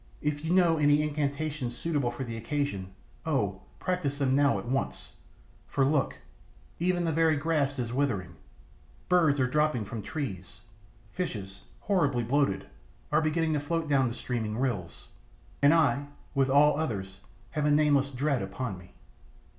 If you know any incantations suitable for the occasion, oh, practise them now at once, for look, even the very grass is withering; birds are dropping from trees; fishes, horribly bloated, are beginning to float down the steaming rills; and I, with all others, have a nameless dread upon me."